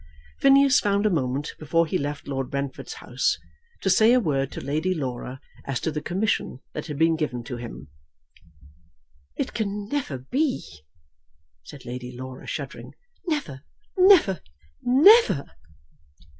Phineas found a moment, before he left Lord Brentford's house, to say a word to Lady Laura as to the commission that had been given to him. "It can never be," said Lady Laura, shuddering; "never, never, never!"